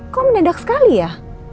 kok menedak sekali ya